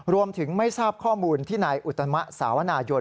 ไม่ทราบข้อมูลที่นายอุตมะสาวนายน